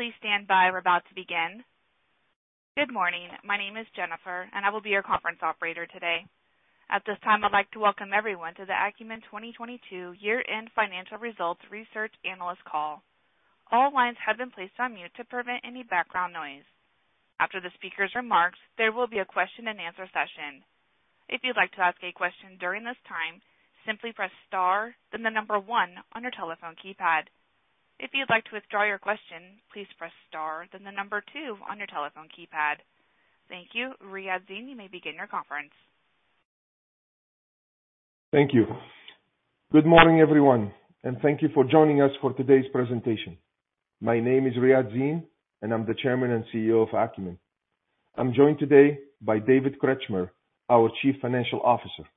Please stand by. We're about to begin. Good morning. My name is Jennifer, and I will be your conference operator today. At this time, I'd like to welcome everyone to the Akumin 2022 year-end financial results research analyst call. All lines have been placed on mute to prevent any background noise. After the speaker's remarks, there will be a question-and-answer session. If you'd like to ask a question during this time, simply press star, then the 1 on your telephone keypad. If you'd like to withdraw your question, please press star, then the 2 on your telephone keypad. Thank you. Riadh Zine, you may begin your conference. Thank you. Good morning, everyone, and thank you for joining us for today's presentation. My name is Riadh Zine, and I'm the Chairman and CEO of Akumin. I'm joined today by David Kretschmer, our Chief Financial Officer.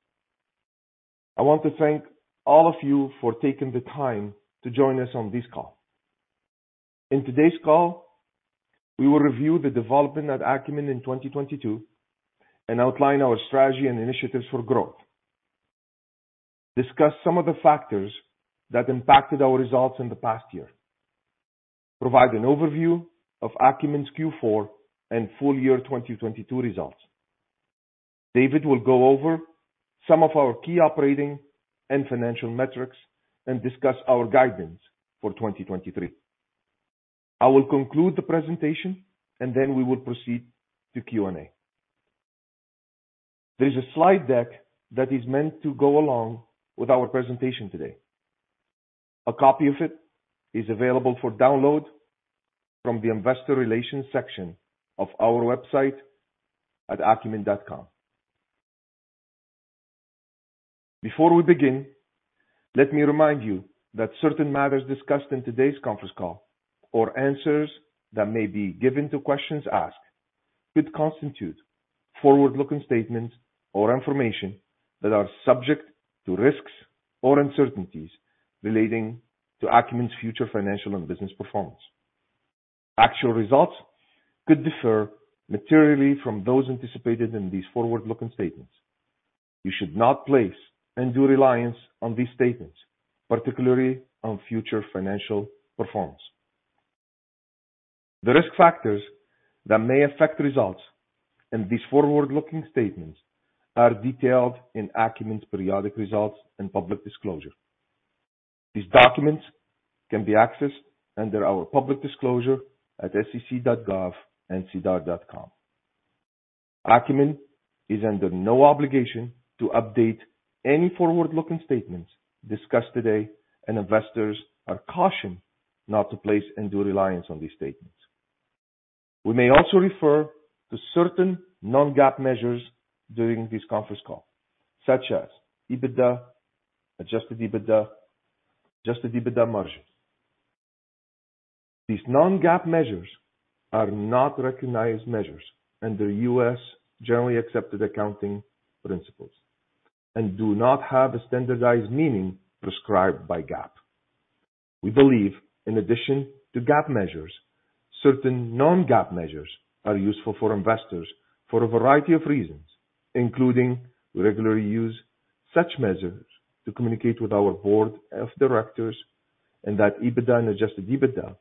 I want to thank all of you for taking the time to join us on this call. In today's call, we will review the development at Akumin in 2022 and outline our strategy and initiatives for growth, discuss some of the factors that impacted our results in the past year, provide an overview of Akumin's Q4 and full year 2022 results. David will go over some of our key operating and financial metrics and discuss our guidance for 2023. I will conclude the presentation and then we will proceed to Q&A. There's a slide deck that is meant to go along with our presentation today. A copy of it is available for download from the investor relations section of our website at akumin.com. Before we begin, let me remind you that certain matters discussed in today's conference call or answers that may be given to questions asked could constitute forward-looking statements or information that are subject to risks or uncertainties relating to Akumin's future financial and business performance. Actual results could differ materially from those anticipated in these forward-looking statements. You should not place undue reliance on these statements, particularly on future financial performance. The risk factors that may affect results and these forward-looking statements are detailed in Akumin's periodic results and public disclosure. These documents can be accessed under our public disclosure at sec.gov and sedar.com. Akumin is under no obligation to update any forward-looking statements discussed today, and investors are cautioned not to place undue reliance on these statements. We may also refer to certain non-GAAP measures during this conference call, such as EBITDA, adjusted EBITDA, adjusted EBITDA margins. These non-GAAP measures are not recognized measures under U.S. generally accepted accounting principles and do not have a standardized meaning prescribed by GAAP. We believe in addition to GAAP measures, certain non-GAAP measures are useful for investors for a variety of reasons, including we regularly use such measures to communicate with our board of directors, and that EBITDA and adjusted EBITDA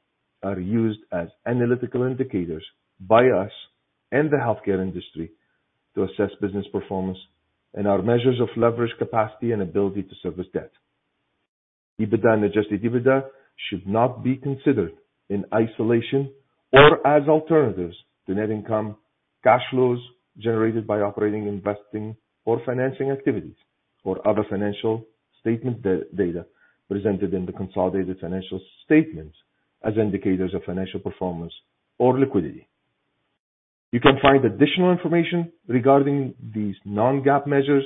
are used as analytical indicators by us and the healthcare industry to assess business performance and our measures of leverage, capacity, and ability to service debt. EBITDA and adjusted EBITDA should not be considered in isolation or as alternatives to net income, cash flows generated by operating, investing or financing activities, or other financial statement data presented in the consolidated financial statements as indicators of financial performance or liquidity. You can find additional information regarding these non-GAAP measures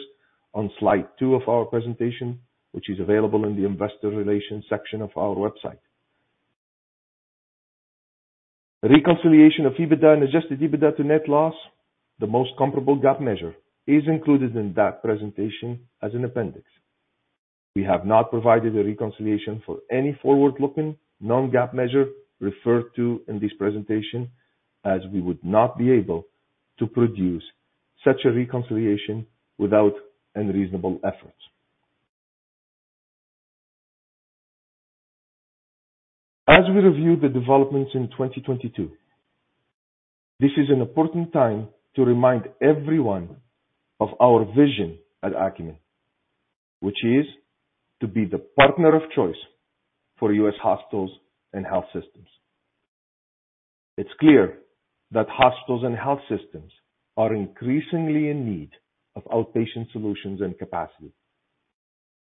on slide 2 of our presentation, which is available in the investor relations section of our website. A reconciliation of EBITDA and adjusted EBITDA to net loss, the most comparable GAAP measure, is included in that presentation as an appendix. We have not provided a reconciliation for any forward-looking non-GAAP measure referred to in this presentation, as we would not be able to produce such a reconciliation without unreasonable efforts. As we review the developments in 2022, this is an important time to remind everyone of our vision at Akumin, which is to be the partner of choice for U.S. hospitals and health systems. It's clear that hospitals and health systems are increasingly in need of outpatient solutions and capacity.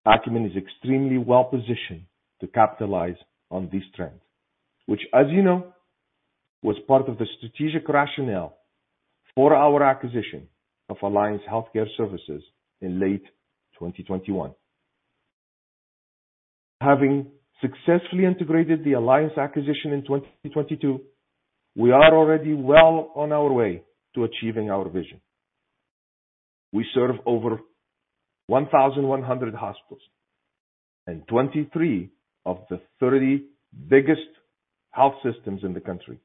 Akumin is extremely well-positioned to capitalize on this trend, which, as you know, was part of the strategic rationale for our acquisition of Alliance HealthCare Services in late 2021. Having successfully integrated the Alliance acquisition in 2022, we are already well on our way to achieving our vision. We serve over 1,100 hospitals and 23 of the 30 biggest health systems in the country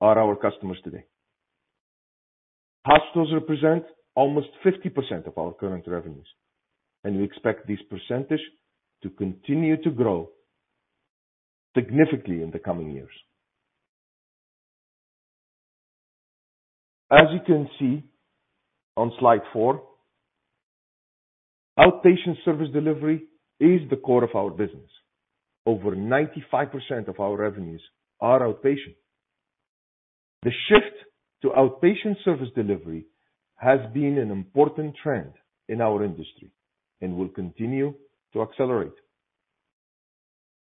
are our customers today. Hospitals represent almost 50% of our current revenues, and we expect this percentage to continue to grow significantly in the coming years. As you can see on slide 4, outpatient service delivery is the core of our business. Over 95% of our revenues are outpatient. The shift to outpatient service delivery has been an important trend in our industry and will continue to accelerate.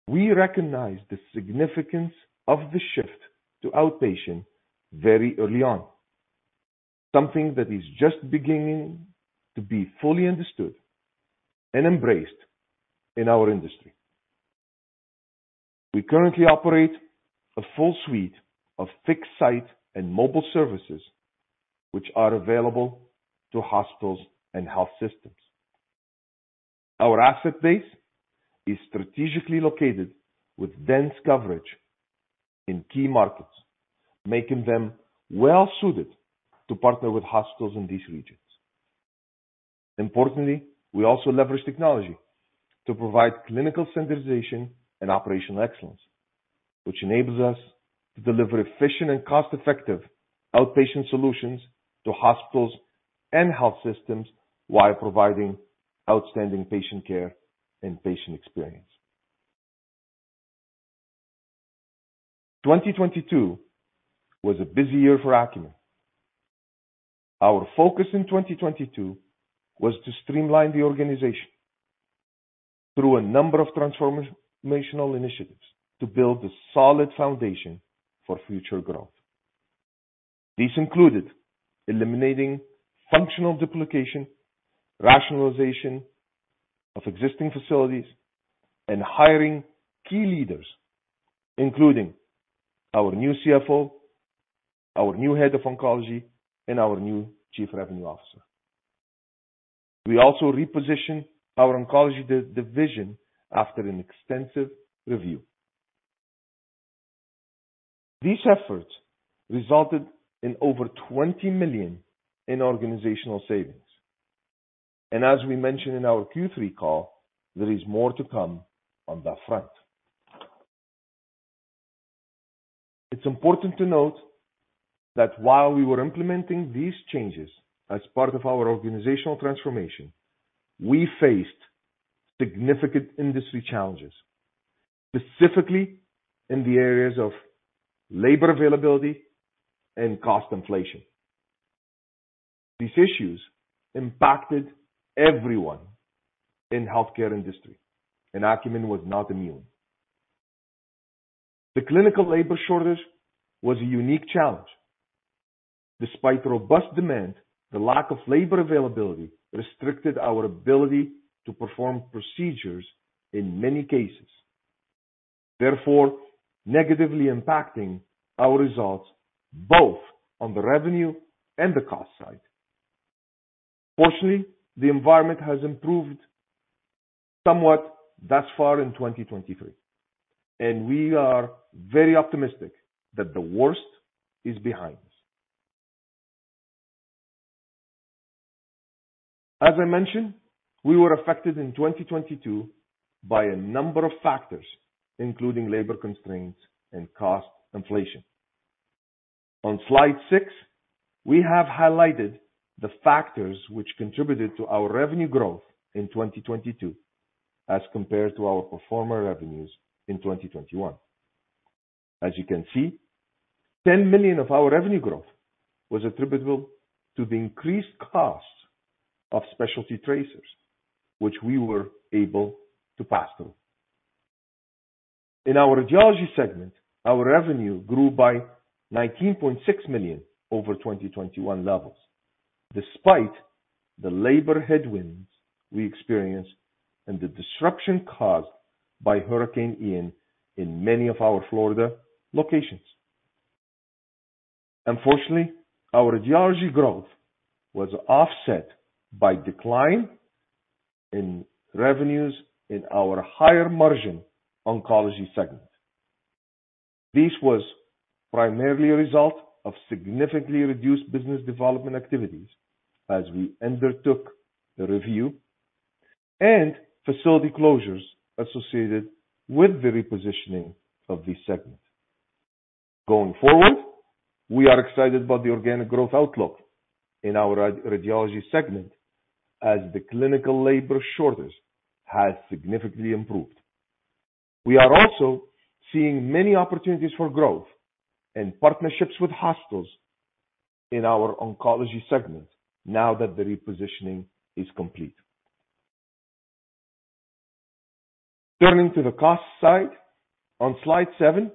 We recognize the significance of the shift to outpatient very early on, something that is just beginning to be fully understood and embraced in our industry. We currently operate a full suite of fixed site and mobile services which are available to hospitals and health systems. Our asset base is strategically located with dense coverage in key markets, making them well-suited to partner with hospitals in these regions. Importantly, we also leverage technology to provide clinical standardization and operational excellence, which enables us to deliver efficient and cost-effective outpatient solutions to hospitals and health systems while providing outstanding patient care and patient experience. 2022 was a busy year for Akumin. Our focus in 2022 was to streamline the organization through a number of transformational initiatives to build a solid foundation for future growth. These included eliminating functional duplication, rationalization of existing facilities, and hiring key leaders, including our new CFO, our new Head of Oncology, and our new Chief Revenue Officer. We also repositioned our oncology division after an extensive review. These efforts resulted in over $20 million in organizational savings. As we mentioned in our Q3 call, there is more to come on that front. It's important to note that while we were implementing these changes as part of our organizational transformation, we faced significant industry challenges, specifically in the areas of labor availability and cost inflation. These issues impacted everyone in healthcare industry, and Akumin was not immune. The clinical labor shortage was a unique challenge. Despite robust demand, the lack of labor availability restricted our ability to perform procedures in many cases, therefore negatively impacting our results both on the revenue and the cost side. Fortunately, the environment has improved somewhat thus far in 2023. We are very optimistic that the worst is behind us. As I mentioned, we were affected in 2022 by a number of factors, including labor constraints and cost inflation. On slide 6, we have highlighted the factors which contributed to our revenue growth in 2022 as compared to our pro forma revenues in 2021. As you can see, $10 million of our revenue growth was attributable to the increased costs of specialty tracers, which we were able to pass through. In our radiology segment, our revenue grew by $19.6 million over 2021 levels, despite the labor headwinds we experienced and the disruption caused by Hurricane Ian in many of our Florida locations. Our radiology growth was offset by decline in revenues in our higher margin oncology segment. This was primarily a result of significantly reduced business development activities as we undertook the review and facility closures associated with the repositioning of this segment. Going forward, we are excited about the organic growth outlook in our radiology segment as the clinical labor shortage has significantly improved. We are also seeing many opportunities for growth and partnerships with hospitals in our oncology segment now that the repositioning is complete. fTurning to the cost side, on slide 7,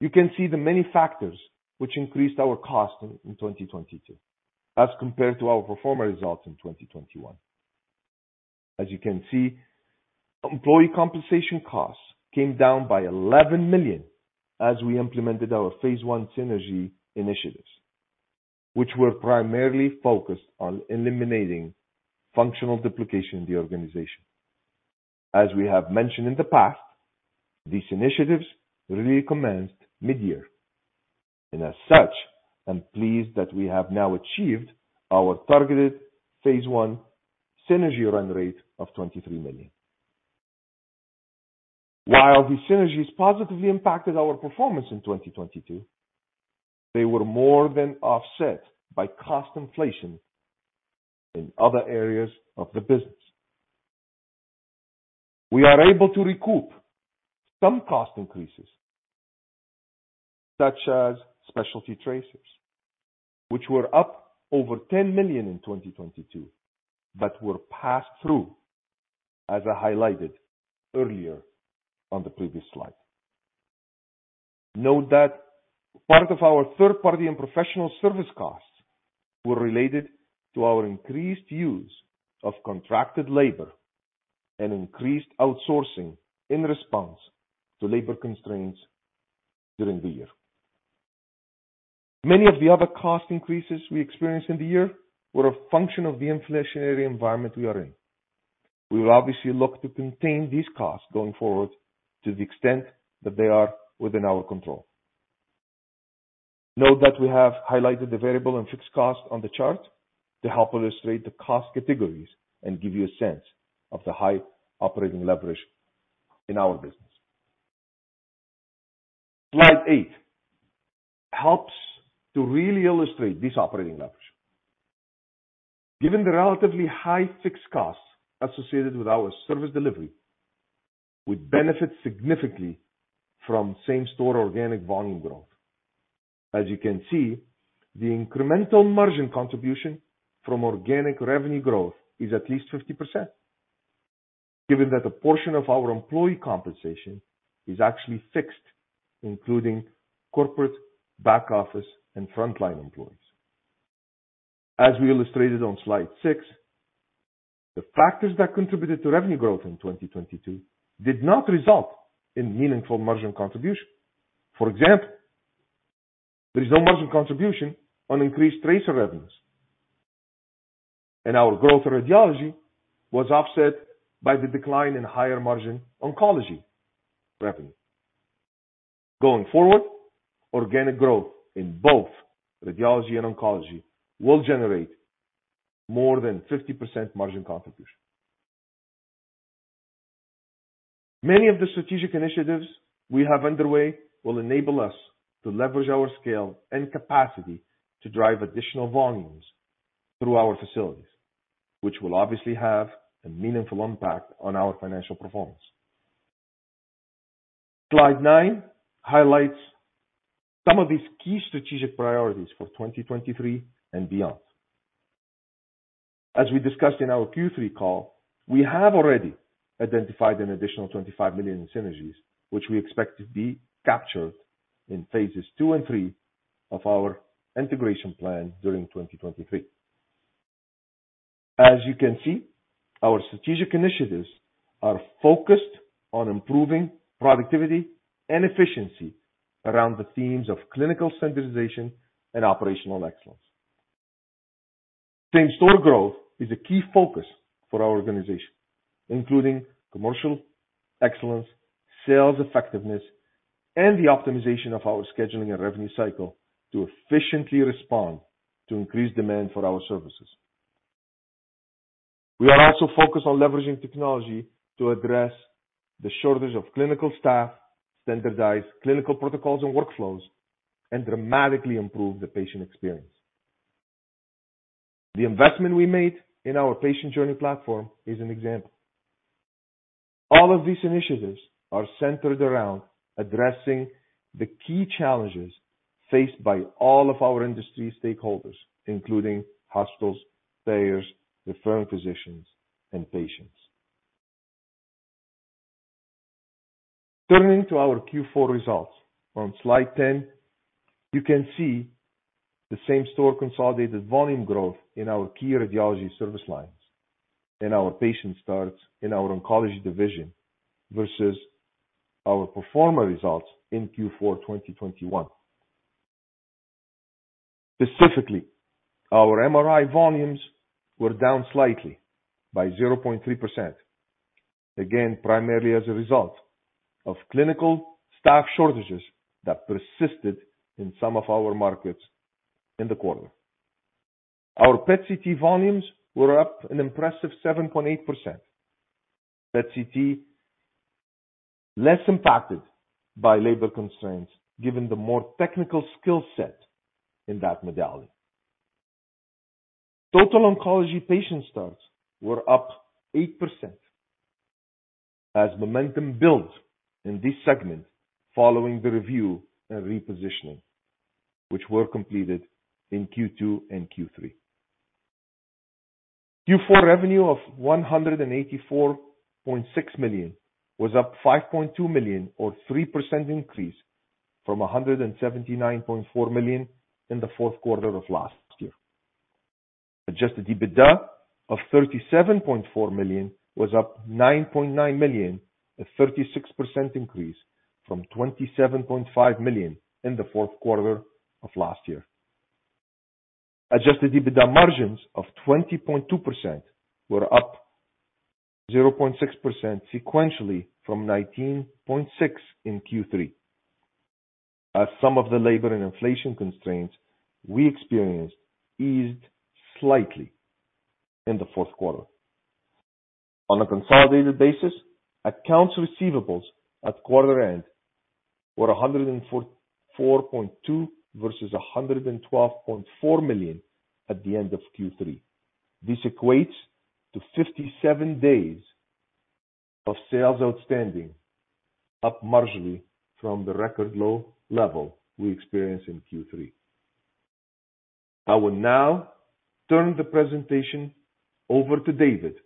you can see the many factors which increased our cost in 2022 as compared to our pro forma results in 2021. As you can see, employee compensation costs came down by $11 million as we implemented our phase 1 synergy initiatives, which were primarily focused on eliminating functional duplication in the organization. As we have mentioned in the past, these initiatives really commenced mid-year. As such, I'm pleased that we have now achieved our targeted phase one synergy run rate of $23 million. While these synergies positively impacted our performance in 2022, they were more than offset by cost inflation in other areas of the business. We are able to recoup some cost increases, such as specialty tracers, which were up over $10 million in 2022, but were passed through as I highlighted earlier on the previous slide. Note that part of our third-party and professional service costs were related to our increased use of contracted labor and increased outsourcing in response to labor constraints during the year. Many of the other cost increases we experienced in the year were a function of the inflationary environment we are in. We will obviously look to contain these costs going forward to the extent that they are within our control. Note that we have highlighted the variable and fixed costs on the chart to help illustrate the cost categories and give you a sense of the high operating leverage in our business. Slide 8 helps to really illustrate this operating leverage. Given the relatively high fixed costs associated with our service delivery, we benefit significantly from same-store organic volume growth. As you can see, the incremental margin contribution from organic revenue growth is at least 50%, given that a portion of our employee compensation is actually fixed, including corporate back office and frontline employees. As we illustrated on slide 6, the factors that contributed to revenue growth in 2022 did not result in meaningful margin contribution. For example, there is no margin contribution on increased tracer revenues, and our growth in radiology was offset by the decline in higher margin oncology revenue. Going forward, organic growth in both radiology and oncology will generate more than 50% margin contribution. Many of the strategic initiatives we have underway will enable us to leverage our scale and capacity to drive additional volumes through our facilities, which will obviously have a meaningful impact on our financial performance. Slide 9 highlights some of these key strategic priorities for 2023 and beyond. As we discussed in our Q3 call, we have already identified an additional $25 million in synergies, which we expect to be captured in phases 2 and 3 of our integration plan during 2023. As you can see, our strategic initiatives are focused on improving productivity and efficiency around the themes of clinical standardization and operational excellence. Same-store growth is a key focus for our organization, including commercial excellence, sales effectiveness, and the optimization of our scheduling and revenue cycle to efficiently respond to increased demand for our services. We are also focused on leveraging technology to address the shortage of clinical staff, standardized clinical protocols and workflows, and dramatically improve the patient experience. The investment we made in our patient journey platform is an example. All of these initiatives are centered around addressing the key challenges faced by all of our industry stakeholders, including hospitals, payers, referring physicians, and patients. Turning to our Q4 results on slide 10, you can see the same-store consolidated volume growth in our key radiology service lines and our patient starts in our oncology division versus our pro forma results in Q4 2021. Specifically, our MRI volumes were down slightly by 0.3%, again, primarily as a result of clinical staff shortages that persisted in some of our markets in the quarter. Our PET/CT volumes were up an impressive 7.8%. PET/CT less impacted by labor constraints given the more technical skill set in that modality. Total oncology patient starts were up 8% as momentum built in this segment following the review and repositioning which were completed in Q2 and Q3. Q4 revenue of $184.6 million was up $5.2 million or 3% increase from $179.4 million in the fourth quarter of last year. Adjusted EBITDA of $37.4 million was up $9.9 million, a 36% increase from $27.5 million in the fourth quarter of last year. adjusted EBITDA margins of 20.2% were up 0.6% sequentially from 19.6% in Q3. As some of the labor and inflation constraints we experienced eased slightly in the fourth quarter. On a consolidated basis, accounts receivables at quarter end were $104.2 million versus $112.4 million at the end of Q3. This equates to 57 days of sales outstanding, up marginally from the record low level we experienced in Q3. I will now turn the presentation over to David,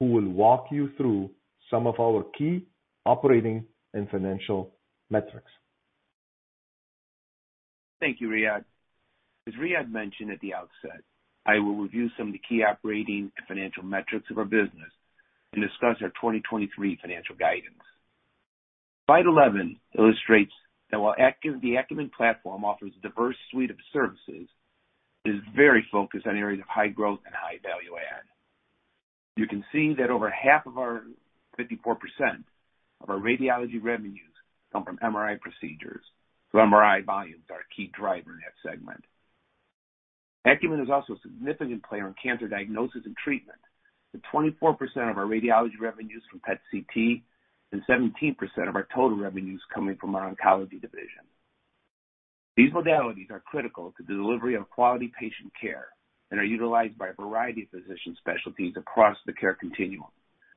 who will walk you through some of our key operating and financial metrics. Thank you, Riadh. As Riadh mentioned at the outset, I will review some of the key operating and financial metrics of our business and discuss our 2023 financial guidance. Slide 11 illustrates that while Akumin, the Akumin platform offers a diverse suite of services, it is very focused on areas of high growth and high value add. You can see that over half of our 54% of our radiology revenues come from MRI procedures. MRI volumes are a key driver in that segment. Akumin is also a significant player in cancer diagnosis and treatment, with 24% of our radiology revenues from PET/CT and 17% of our total revenues coming from our oncology division. These modalities are critical to the delivery of quality patient care and are utilized by a variety of physician specialties across the care continuum,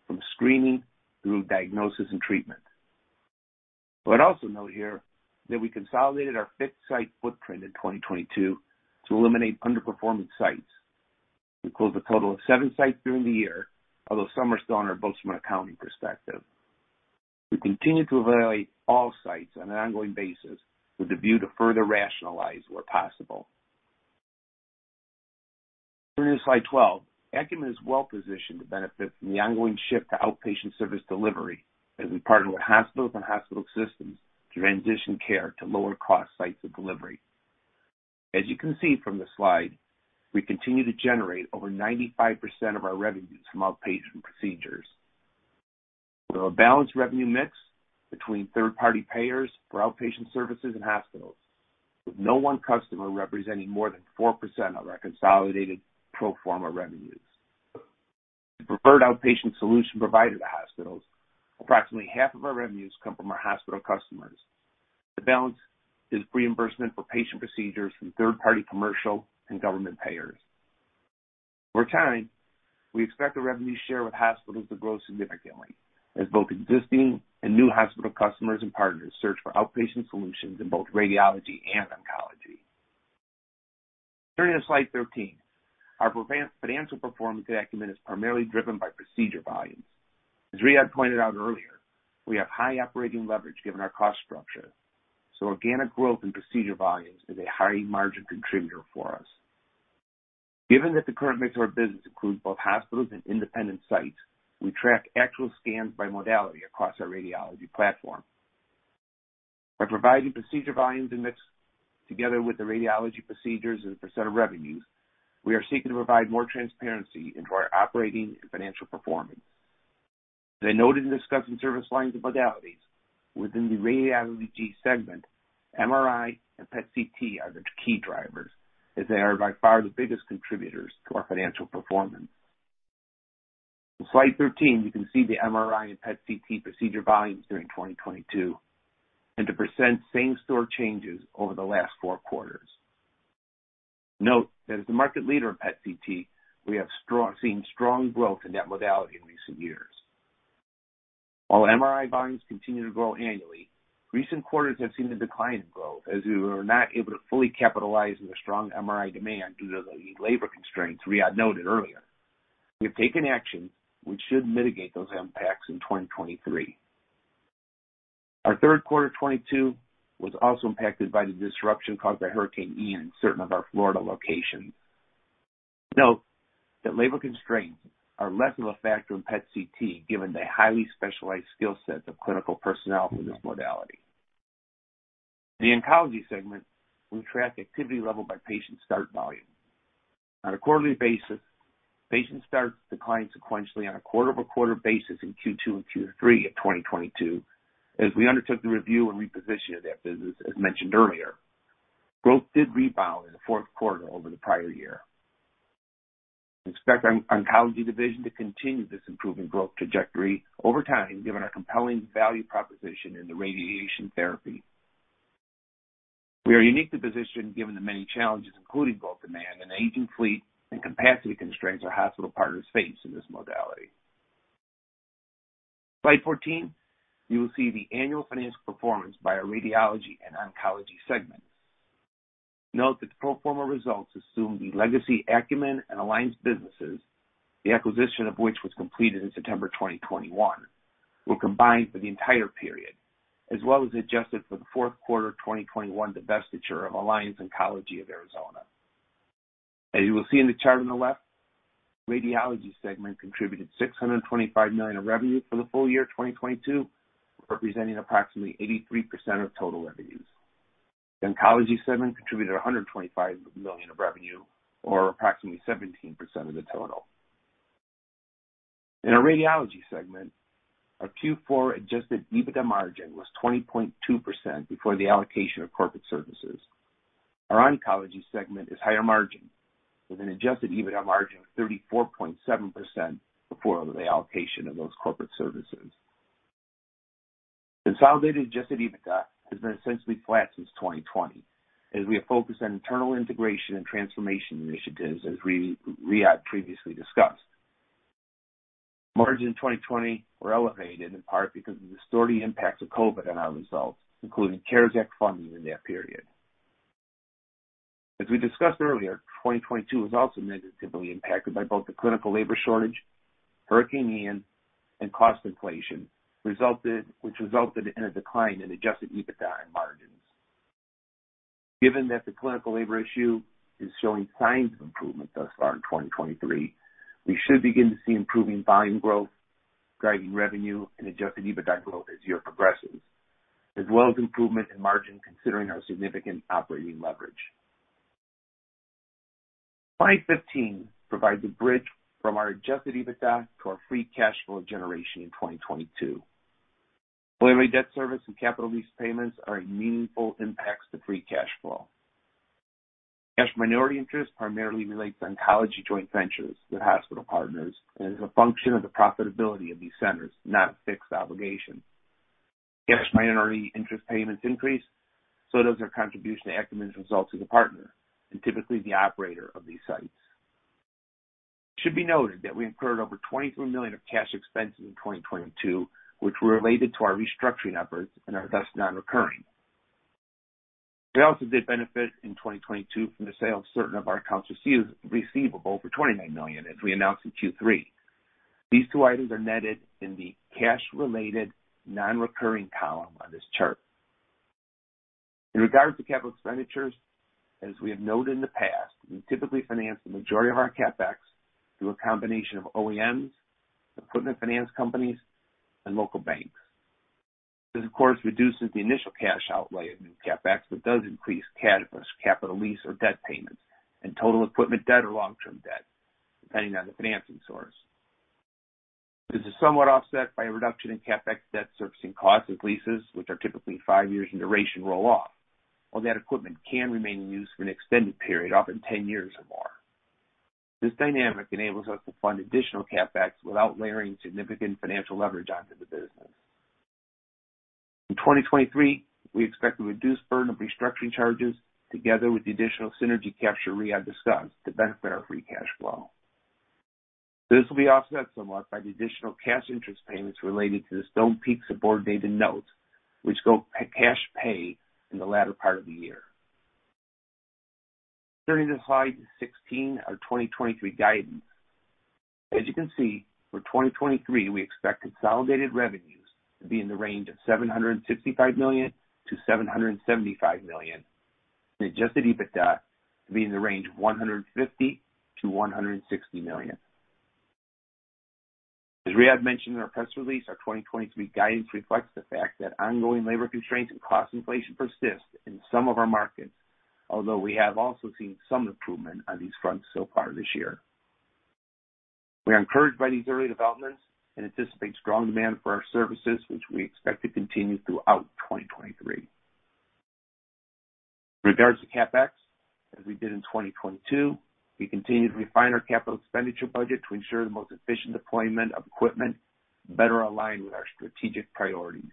from screening through diagnosis and treatment. I would also note here that we consolidated our fixed site footprint in 2022 to eliminate underperforming sites. We closed a total of 7 sites during the year, although some are still on our books from an accounting perspective. We continue to evaluate all sites on an ongoing basis with the view to further rationalize where possible. Turning to slide 12. Akumin is well positioned to benefit from the ongoing shift to outpatient service delivery as we partner with hospitals and hospital systems to transition care to lower cost sites of delivery. As you can see from the slide, we continue to generate over 95% of our revenues from outpatient procedures. We have a balanced revenue mix between third party payers for outpatient services and hospitals, with no one customer representing more than 4% of our consolidated pro forma revenues. The preferred outpatient solution provider to hospitals, approximately half of our revenues come from our hospital customers. The balance is reimbursement for patient procedures from third party commercial and government payers. We expect the revenue share with hospitals to grow significantly as both existing and new hospital customers and partners search for outpatient solutions in both radiology and oncology. Turning to slide 13. Our financial performance at Akumin is primarily driven by procedure volumes. As Riadh pointed out earlier, we have high operating leverage given our cost structure, organic growth in procedure volumes is a high margin contributor for us. Given that the current mix of our business includes both hospitals and independent sites, we track actual scans by modality across our radiology platform. By providing procedure volumes and mix together with the radiology procedures as a % of revenues, we are seeking to provide more transparency into our operating and financial performance. As I noted in discussing service lines and modalities within the radiology segment, MRI and PET CT are the key drivers as they are by far the biggest contributors to our financial performance. In slide 13, you can see the MRI and PET CT procedure volumes during 2022 and the % same store changes over the last four quarters. Note that as the market leader in PET CT, we have seen strong growth in that modality in recent years. While MRI volumes continue to grow annually, recent quarters have seen a decline in growth as we were not able to fully capitalize on the strong MRI demand due to the labor constraints Riadh noted earlier. We have taken action which should mitigate those impacts in 2023. Our third quarter 2022 was also impacted by the disruption caused by Hurricane Ian in certain of our Florida locations. Note that labor constraints are less of a factor in PET CT, given the highly specialized skill sets of clinical personnel for this modality. The oncology segment, we track activity level by patient start volume. On a quarterly basis, patient starts declined sequentially on a quarter-over-quarter basis in Q2 and Q3 of 2022, as we undertook the review and reposition of that business as mentioned earlier. Growth did rebound in the fourth quarter over the prior year. We expect our oncology division to continue this improving growth trajectory over time, given our compelling value proposition in the radiation therapy. We are unique to position given the many challenges, including both demand and aging fleet and capacity constraints our hospital partners face in this modality. Slide 14, you will see the annual financial performance by our Radiology and Oncology segments. Note that the pro forma results assume the legacy Akumin and Alliance businesses, the acquisition of which was completed in September 2021, were combined for the entire period, as well as adjusted for the fourth quarter 2021 divestiture of Alliance Oncology of Arizona. As you will see in the chart on the left, Radiology segment contributed $625 million of revenue for the full year 2022, representing approximately 83% of total revenues. The Oncology segment contributed $125 million of revenue, or approximately 17% of the total. In our radiology segment, our Q4 adjusted EBITDA margin was 20.2% before the allocation of corporate services. Our oncology segment is higher margin with an adjusted EBITDA margin of 34.7% before the allocation of those corporate services. Consolidated adjusted EBITDA has been essentially flat since 2020 as we have focused on internal integration and transformation initiatives, as Riadh previously discussed. Margin in 2020 were elevated in part because of the distorted impacts of COVID on our results, including CARES Act funding in that period. As we discussed earlier, 2022 was also negatively impacted by both the clinical labor shortage, Hurricane Ian, and cost inflation which resulted in a decline in adjusted EBITDA margins. Given that the clinical labor issue is showing signs of improvement thus far in 2023, we should begin to see improving volume growth driving revenue and adjusted EBITDA growth as the year progresses, as well as improvement in margin considering our significant operating leverage. Slide 15 provides a bridge from our adjusted EBITDA to our free cash flow generation in 2022. Debt service and capital lease payments are in meaningful impacts to free cash flow. Cash minority interest primarily relates to oncology joint ventures with hospital partners and is a function of the profitability of these centers, not a fixed obligation. Minority interest payments increase, so does our contribution to Akumin's results as a partner and typically the operator of these sites. It should be noted that we incurred over $23 million of cash expenses in 2022, which were related to our restructuring efforts and are thus non-recurring. We also did benefit in 2022 from the sale of certain of our accounts receivable for $29 million as we announced in Q3. These two items are netted in the cash-related non-recurring column on this chart. In regards to capital expenditures, as we have noted in the past, we typically finance the majority of our CapEx through a combination of OEMs, equipment finance companies, and local banks. This, of course, reduces the initial cash outlay of new CapEx but does increase CAD plus capital lease or debt payments and total equipment debt or long-term debt, depending on the financing source. This is somewhat offset by a reduction in CapEx debt servicing costs as leases which are typically 5 years in duration roll off, while that equipment can remain in use for an extended period, often 10 years or more. This dynamic enables us to fund additional CapEx without layering significant financial leverage onto the business. In 2023, we expect the reduced burden of restructuring charges together with the additional synergy capture Riadh discussed to benefit our free cash flow. This will be offset somewhat by the additional cash interest payments related to the Stonepeak subordinated notes, which go cash pay in the latter part of the year. Turning to slide 16, our 2023 guidance. As you can see, for 2023, we expect consolidated revenues to be in the range of $765 million-$775 million, and adjusted EBITDA to be in the range of $150 million-$160 million. As Riad mentioned in our press release, our 2023 guidance reflects the fact that ongoing labor constraints and cost inflation persist in some of our markets, although we have also seen some improvement on these fronts so far this year. We are encouraged by these early developments and anticipate strong demand for our services, which we expect to continue throughout 2023. In regards to CapEx, as we did in 2022, we continue to refine our capital expenditure budget to ensure the most efficient deployment of equipment better aligned with our strategic priorities.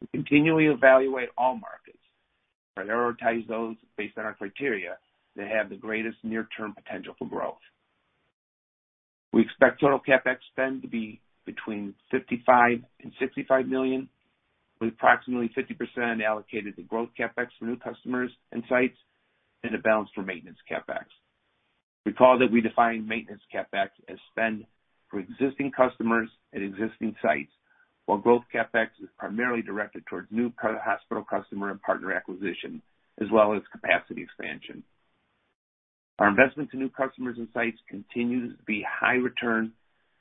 We continually evaluate all markets and prioritize those based on our criteria that have the greatest near-term potential for growth. We expect total CapEx spend to be between $55 million-$65 million, with approximately 50% allocated to growth CapEx for new customers and sites, and the balance for maintenance CapEx. Recall that we define maintenance CapEx as spend for existing customers at existing sites, while growth CapEx is primarily directed towards new hospital customer and partner acquisition, as well as capacity expansion. Our investment to new customers and sites continues to be high return,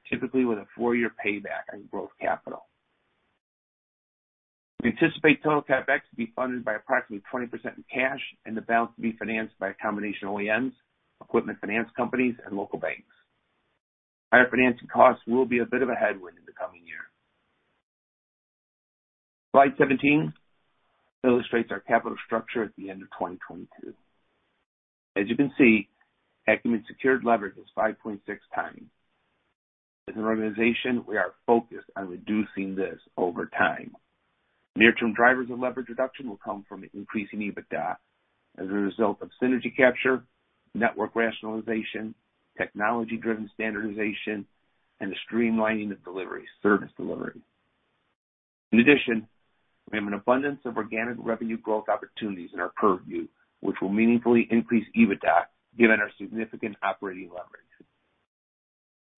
typically with a four-year payback on growth capital. We anticipate total CapEx to be funded by approximately 20% in cash, and the balance to be financed by a combination of OEMs, equipment finance companies, and local banks. Higher financing costs will be a bit of a headwind in the coming year. Slide 17 illustrates our capital structure at the end of 2022. As you can see, Akumin secured leverage was 5.6 times. As an organization, we are focused on reducing this over time. Near-term drivers of leverage reduction will come from increasing EBITDA as a result of synergy capture, network rationalization, technology-driven standardization, and the streamlining of delivery, service delivery. In addition, we have an abundance of organic revenue growth opportunities in our purview, which will meaningfully increase EBITDA given our significant operating leverage.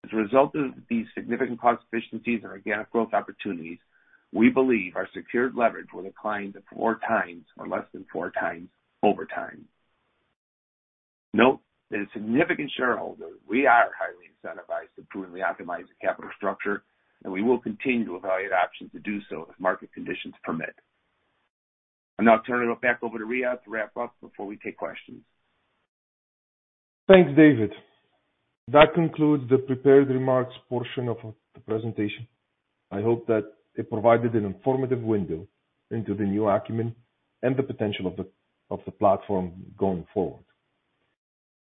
As a result of these significant cost efficiencies and organic growth opportunities, we believe our secured leverage will decline to 4 times or less than 4 times over time. Note that as significant shareholders, we are highly incentivized to prudently optimize the capital structure, and we will continue to evaluate options to do so if market conditions permit. I'll now turn it back over to Riadh to wrap up before we take questions. Thanks, David. That concludes the prepared remarks portion of the presentation. I hope that it provided an informative window into the new Akumin and the potential of the platform going forward.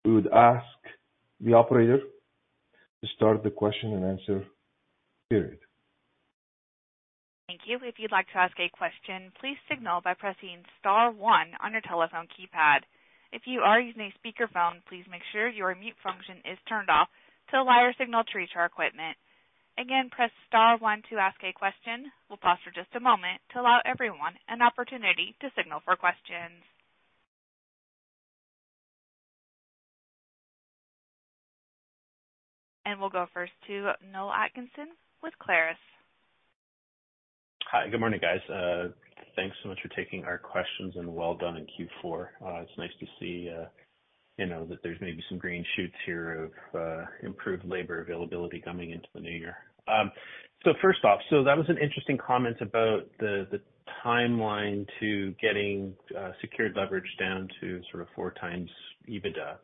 I would ask the operator to start the question and answer period. Thank you. If you'd like to ask a question, please signal by pressing star one on your telephone keypad. If you are using a speakerphone, please make sure your mute function is turned off to allow your signal to reach our equipment. Again, press star one to ask a question. We'll pause for just a moment to allow everyone an opportunity to signal for questions. We'll go first to Noel Atkinson with Clarus. Hi. Good morning, guys. Thanks so much for taking our questions. Well done in Q4. It's nice to see that there's maybe some green shoots here of improved labor availability coming into the new year. First off, so that was an interesting comment about the timeline to getting secured leverage down to sort of 4 times EBITDA.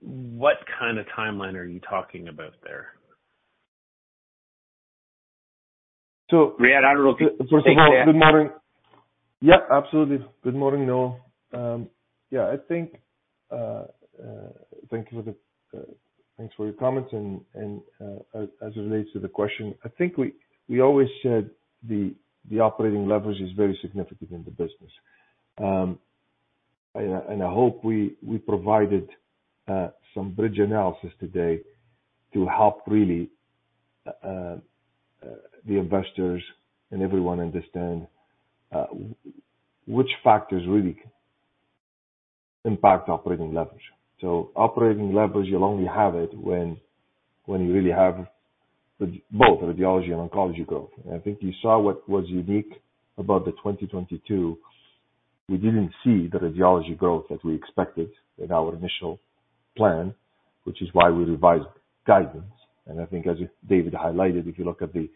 What kind of timeline are you talking about there? Riadh, I don't know if you- First of all, good morning. Yeah, absolutely. Good morning, Noel. Yeah, I think. Thank you for your comments and as it relates to the question, I think we always said the operating leverage is very significant in the business. And I hope we provided some bridge analysis today to help really the investors and everyone understand which factors really impact operating leverage. Operating leverage, you'll only have it when you really have both radiology and oncology growth. I think you saw what was unique about the 2022, we didn't see the radiology growth as we expected in our initial plan, which is why we revised guidance. I think as David highlighted, if you look at the,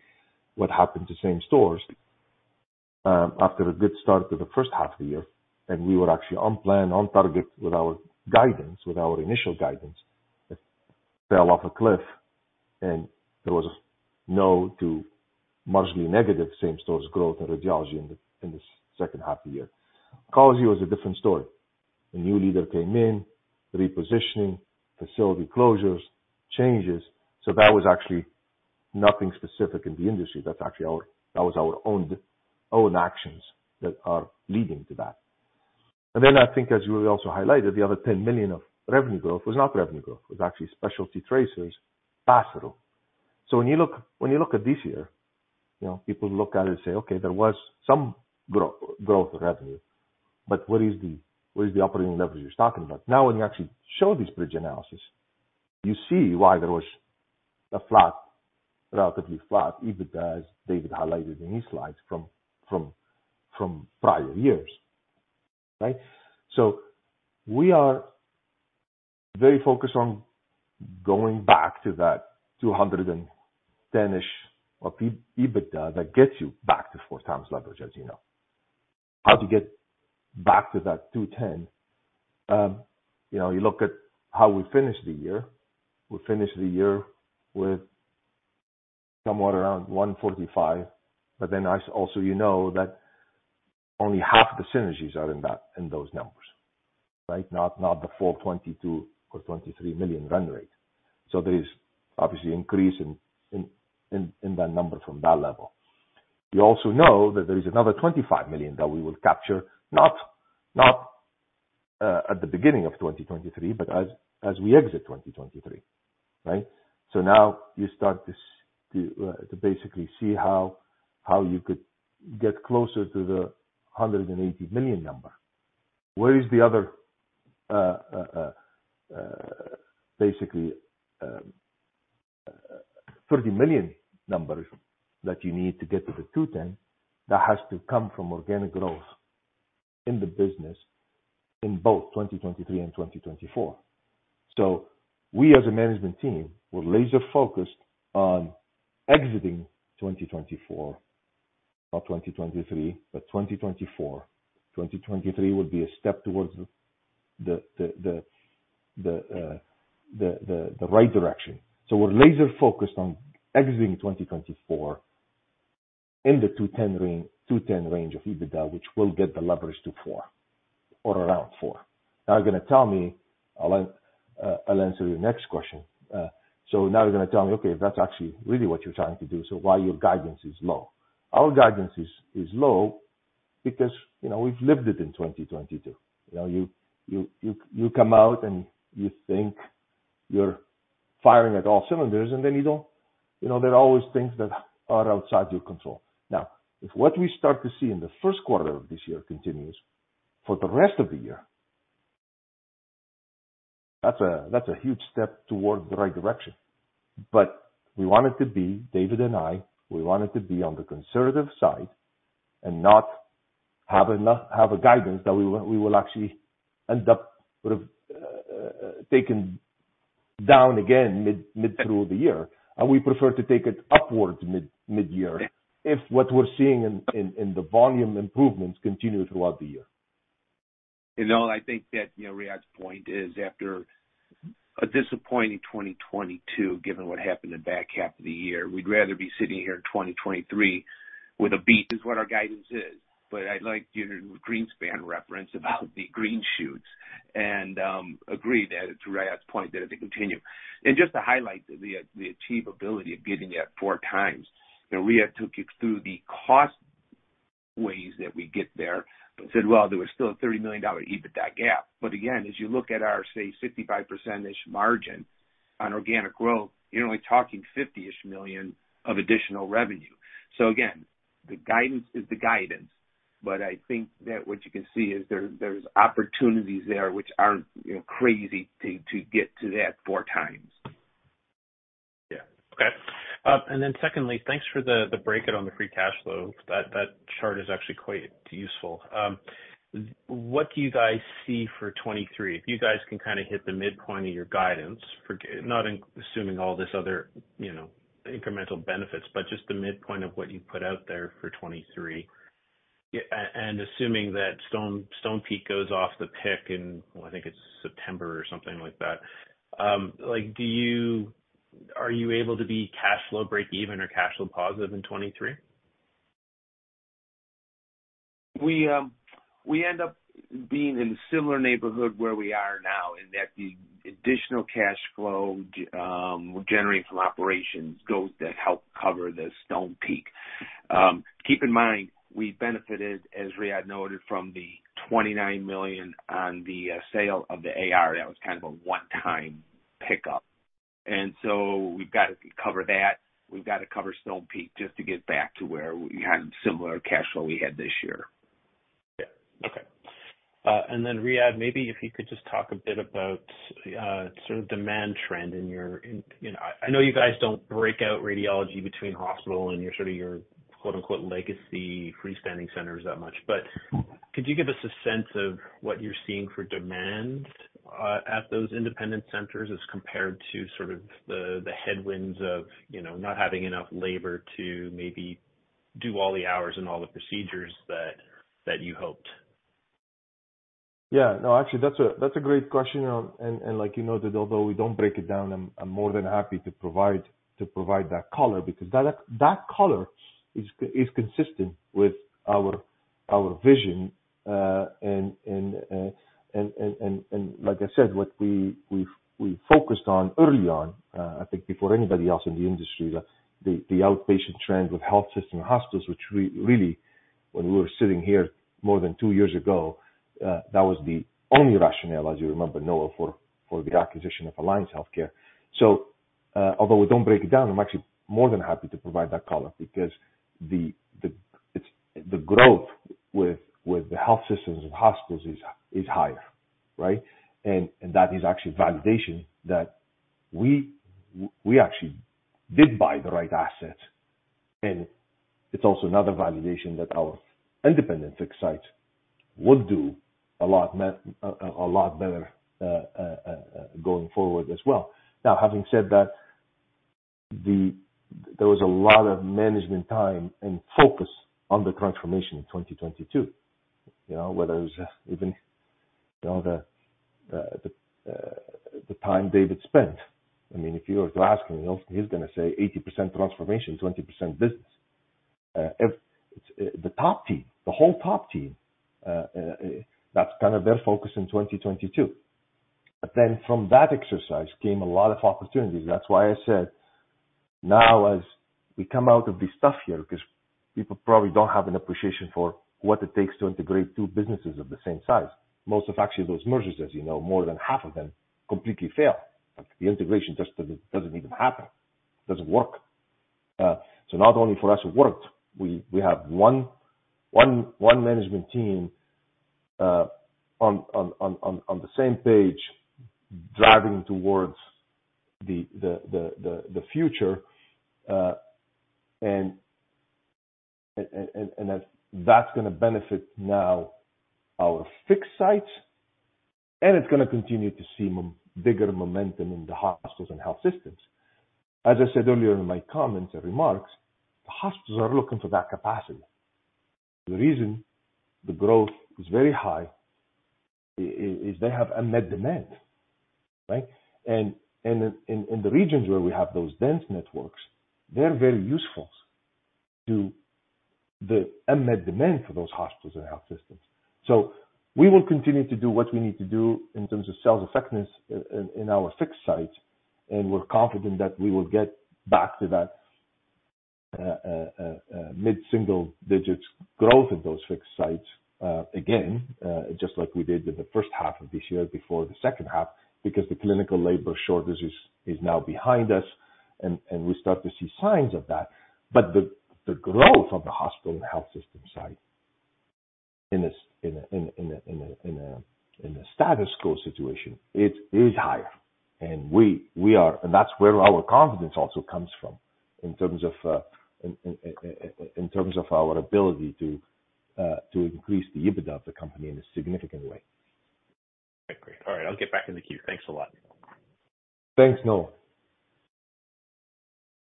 what happened to same-stores, after a good start to the first half of the year, and we were actually on plan, on target with our guidance, with our initial guidance, it fell off a cliff, and there was no to marginally negative same-stores growth in radiology in the second half of the year. Oncology was a different story. A new leader came in, repositioning, facility closures, changes. That was actually nothing specific in the industry. That's actually our... That was our own actions that are leading to that. I think as you also highlighted, the other $10 million of revenue growth was not revenue growth. It was actually specialty tracers pass-through. When you look at this year people look at it and say, "Okay, there was some growth revenue, but what is the operating leverage you're talking about?" When you actually show this bridge analysis, you see why there was a flat, relatively flat EBITDA, as David highlighted in his slides from prior years, right? We are very focused on going back to that $210-ish of EBITDA that gets you back to 4 times leverage, as you know. How to get back to that $210 you look at how we finished the year. We finished the year with somewhat around $145, also you know that only half the synergies are in that, in those numbers, right? Not the full $22 million or $23 million run rate. There is obviously increase in that number from that level. You also know that there is another $25 million that we will capture, not at the beginning of 2023, but as we exit 2023, right? Now you start to basically see how you could get closer to the $180 million number. Where is the other $30 million number that you need to get to the 210, that has to come from organic growth in the business in both 2023 and 2024. We as a management team were laser-focused on exiting 2024, not 2023, but 2024. 2023 would be a step towards the right direction. We're laser-focused on exiting 2024 in the $210 range of EBITDA, which will get the leverage to 4 or around 4. You're gonna tell me, I'll answer your next question. Now you're gonna tell me, "Okay, that's actually really what you're trying to do, so why your guidance is low?" Our guidance is low because we've lived it in 2022. You know, you come out and you think you're firing at all cylinders and then you don't. You know, there are always things that are outside your control. If what we start to see in the first quarter of this year continues for the rest of the year. That's a huge step towards the right direction. We wanted to be, David and I, we wanted to be on the conservative side and not have a guidance that we will actually end up sort of taken down again mid through the year. We prefer to take it upwards mid-year if what we're seeing in the volume improvements continue throughout the year. You know, I think that Riadh's point is after a disappointing 2022, given what happened in the back half of the year, we'd rather be sitting here in 2023 with a beat is what our guidance is. I like your Greenspan reference about the green shoots and agree that to Riadh's point that if they continue. Just to highlight the achievability of getting that 4 times Riadh took you through the cost ways that we get there, said, well, there was still a $30 million EBITDA gap. Again, as you look at our, say, 65%-ish margin on organic growth, you're only talking $50 million-ish of additional revenue. Again, the guidance is the guidance. I think that what you can see is there's opportunities there which aren't crazy to get to that four times. Okay. Secondly, thanks for the breakout on the free cash flow. That chart is actually quite useful. What do you guys see for 23? If you guys can kind of hit the midpoint of your guidance for assuming all this other incremental benefits, but just the midpoint of what you put out there for 23. Assuming that Stonepeak goes off the PIK in, well, I think it's September or something like that. Like, are you able to be cash flow break even or cash flow positive in 23? We end up being in a similar neighborhood where we are now in that the additional cash flow generated from operations goes to help cover the Stonepeak. Keep in mind, we benefited, as Riadh noted, from the $29 million on the sale of the AR. That was kind of a one-time pickup. We've got to cover that. We've got to cover Stonepeak just to get back to where we had similar cash flow we had this year. Yeah. Okay. Riadh, maybe if you could just talk a bit about sort of demand trend I know you guys don't break out radiology between hospital and your sort of your, quote-unquote, "legacy freestanding centers" that much, but could you give us a sense of what you're seeing for demand at those independent centers as compared to sort of the headwinds of not having enough labor to maybe do all the hours and all the procedures that you hoped? Yeah. No, actually, that's a great question. Like you know that although we don't break it down, I'm more than happy to provide that color because that color is consistent with our vision, and like I said, what we focused on early on, I think before anybody else in the industry, the outpatient trend with health system hospitals, which really when we were sitting here more than 2 years ago, that was the only rationale, as you remember, Noel, for the acquisition of Alliance HealthCare. Although we don't break it down, I'm actually more than happy to provide that color because It's the growth with the health systems and hospitals is higher, right? That is actually validation that we actually did buy the right asset. It's also another validation that our independent fixed sites would do a lot better going forward as well. Having said that, there was a lot of management time and focus on the transformation in 2022. You know, whether it was even the time David spent. I mean, if you were to ask him, he's gonna say 80% transformation, 20% business. If the top team, the whole top team, that's kind of their focus in 2022. From that exercise came a lot of opportunities. That's why I said now as we come out of this stuff here, because people probably don't have an appreciation for what it takes to integrate two businesses of the same size. Most of actually those mergers, as you know, more than half of them completely fail. The integration just doesn't even happen, doesn't work. Not only for us it worked, we have one management team on the same page driving towards the future. That's gonna benefit now our fixed sites, and it's gonna continue to see bigger momentum in the hospitals and health systems. As I said earlier in my comments and remarks, the hospitals are looking for that capacity. The reason the growth is very high is they have unmet demand, right? In the regions where we have those dense networks, they're very useful to the unmet demand for those hospitals and health systems. We will continue to do what we need to do in terms of sales effectiveness in our fixed sites, and we're confident that we will get back to that mid-single digits growth in those fixed sites again, just like we did with the first half of this year before the second half, because the clinical labor shortage is now behind us. We start to see signs of that. The growth of the hospital and health system side in a status quo situation, it is higher. We are... That's where our confidence also comes from in terms of our ability to increase the EBITDA of the company in a significant way. I agree. All right, I'll get back in the queue. Thanks a lot. Thanks, Noel.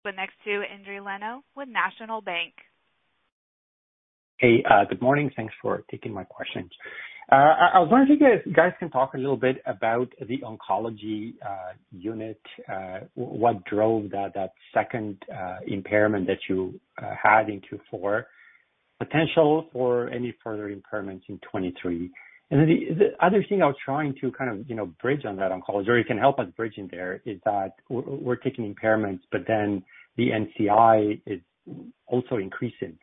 The next to Endri Leno with National Bank. Hey, good morning. Thanks for taking my questions. I was wondering if you guys can talk a little bit about the oncology unit, what drove that second impairment that you had in Q4, potential for any further impairments in 23? The other thing I was trying to kind of bridge on that oncology or you can help us bridge in there, is that we're taking impairments, but then the NCI is also increasing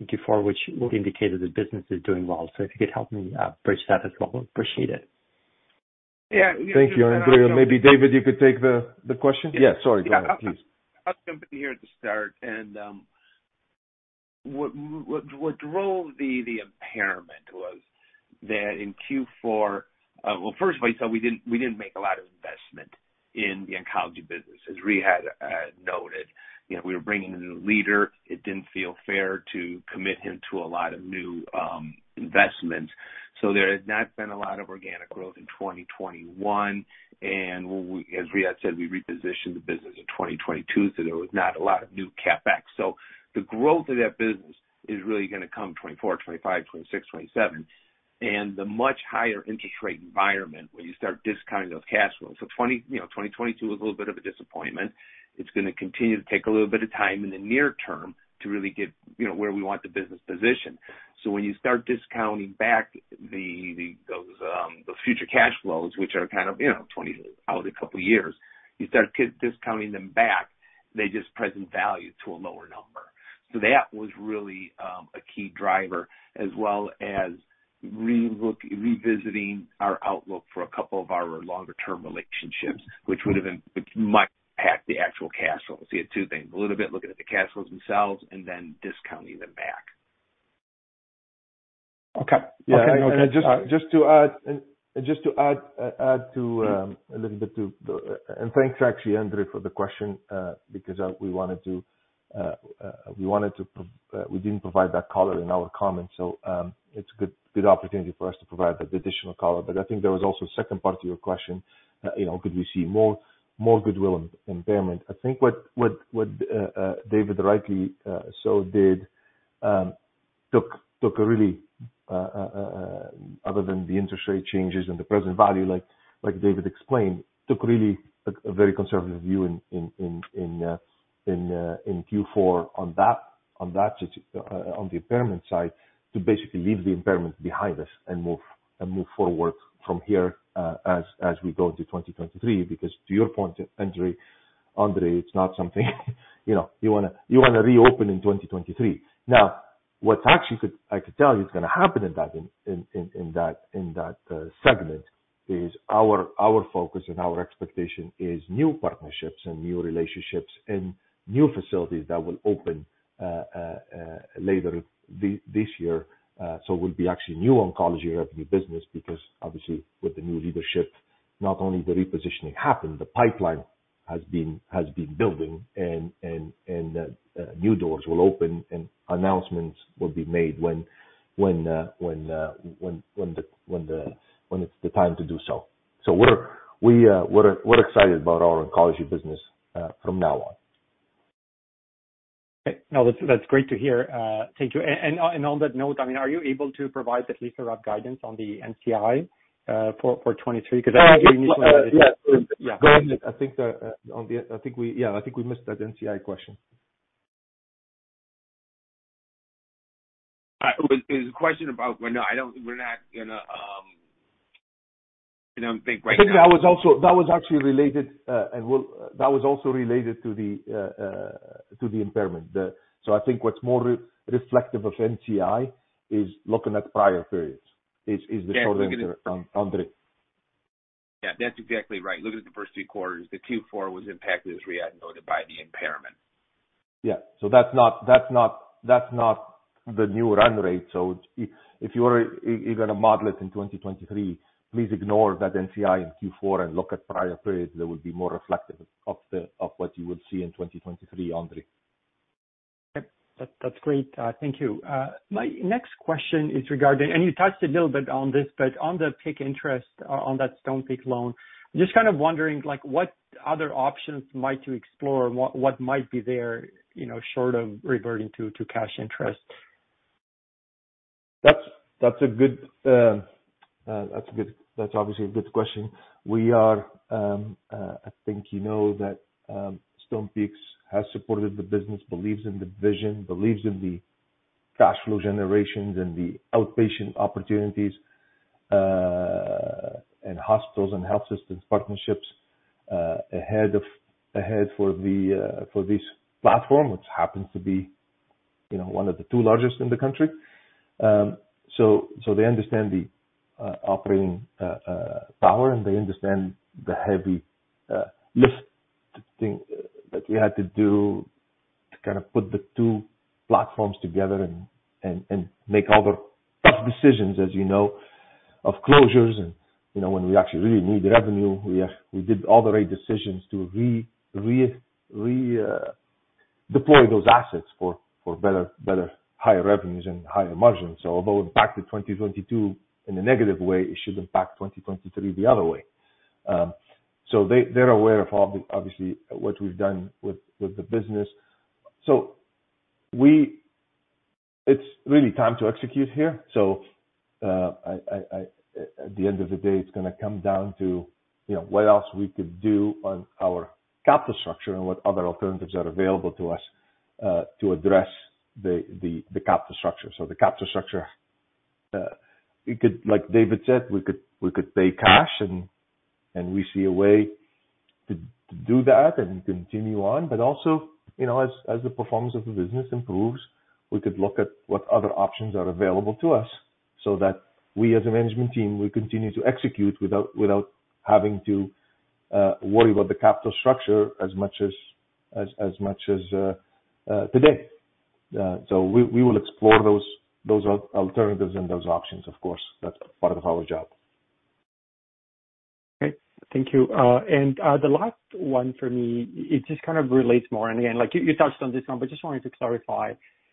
in Q4, which would indicate that the business is doing well. If you could help me bridge that as well, appreciate it. Yeah. Thank you, Endri. Maybe David, you could take the question. Yeah. Sorry, go ahead, please. I'll jump in here at the start. What drove the impairment was that in Q4. Well, first of all, you saw we didn't, we didn't make a lot of investment in the oncology business. As Riadh had noted we were bringing a new leader. It didn't feel fair to commit him to a lot of new investments. There has not been a lot of organic growth in 2021. As Riadh said, we repositioned the business in 2022, so there was not a lot of new CapEx. The growth of that business is really gonna come 2024, 2025, 2026, 2027. The much higher interest rate environment where you start discounting those cash flows. 20 2022 was a little bit of a disappointment. It's gonna continue to take a little bit of time in the near term to really get where we want the business positioned. When you start discounting back those future cash flows, which are kind of 20 out a couple of years, you start discounting them back, they just present value to a lower number. That was really a key driver, as well as revisiting our outlook for a couple of our longer term relationships, which would have much impact the actual cash flows. You had 2 things, a little bit looking at the cash flows themselves and then discounting them back. Okay. Yeah. Add to a little bit to the... Thanks actually, Endri, for the question, because we wanted to provide that color in our comments. It's a good opportunity for us to provide the additional color. I think there was also a second part to your question could we see more goodwill impairment? I think what David rightly so did, other than the interest rate changes and the present value like David explained, took really a very conservative view in Q4 on that impairment side, to basically leave the impairment behind us and move forward from here, as we go into 2023. Because to your point, Endri, it's not something you wanna reopen in 2023. Now, what actually I could tell you it's gonna happen in that segment is our focus and our expectation is new partnerships and new relationships and new facilities that will open later this year. It will be actually new oncology revenue business because obviously with the new leadership, not only the repositioning happened, the pipeline has been building and new doors will open and announcements will be made when it's the time to do so. We're excited about our oncology business from now on. Okay. No, that's great to hear. Thank you. On that note, I mean, are you able to provide at least a rough guidance on the NCI for 2023? I think you initially. yeah. Yeah. Go ahead. Yeah, I think we missed that NCI question. No, We're not gonna. I don't think right now. I think that was actually related. That was also related to the impairment. I think what's more reflective of NCI is looking at prior periods. Is the total answer, Endri. Yeah, that's exactly right. Look at the first three quarters. The Q4 was impacted, as Riadh noted, by the impairment. Yeah. That's not the new run rate. If you're gonna model it in 2023, please ignore that NCI in Q4 and look at prior periods that would be more reflective of the, of what you would see in 2023, Endri. Okay. That's great. Thank you. My next question is regarding, and you touched a little bit on this, but on the PIK interest on that Stonepeak loan. Just kind of wondering, like what other options might you explore and what might be there short of reverting to cash interest? That's a good, that's obviously a good question. We are, I think you know that Stonepeak has supported the business, believes in the vision, believes in the cash flow generations and the outpatient opportunities and hospitals and health systems partnerships ahead for the platform, which happens to be You know, one of the two largest in the country. They understand the operating power, and they understand the heavy lift thing that we had to do to kind of put the two platforms together and make all the tough decisions, as you know, of closures. When we actually really need the revenue, we did all the right decisions to re-deploy those assets for better, higher revenues and higher margins. Although it impacted 2022 in a negative way, it should impact 2023 the other way. They're aware of obviously what we've done with the business. It's really time to execute here. I... At the end of the day, it's gonna come down to what else we could do on our capital structure and what other alternatives are available to us to address the capital structure. The capital structure, we could, like David said, we could pay cash and we see a way to do that and continue on. also as the performance of the business improves, we could look at what other options are available to us, so that we as a management team will continue to execute without having to worry about the capital structure as much as today. We will explore those alternatives and those options, of course. That's part of our job. Okay. Thank you. The last one for me, it just kind of relates more. Again, like you touched on this one, but just wanted to clarify.